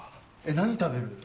何食べる？